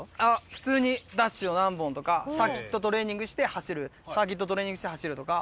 普通にダッシュを何本とかサーキットトレーニングして走るサーキットトレーニングして走るとか。